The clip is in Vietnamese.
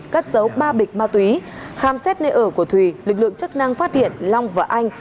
cất dấu ba bịch ma túy khám xét nơi ở của thùy lực lượng chức năng phát hiện long và anh